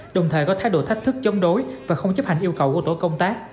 đồng thời có thái độ thách thức chống đối và không chấp hành yêu cầu của tổ công tác